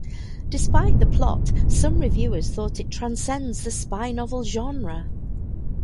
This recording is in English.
Despite the plot, some reviewers thought it transcends the spy novel genre.